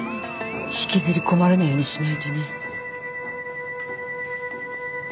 引きずり込まれないようにしないとね。